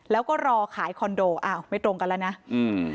แล้วก็รอขายคอนโดอ้าวไม่ตรงกันแล้วนะอืม